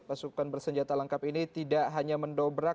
pasukan bersenjata lengkap ini tidak hanya mendobrak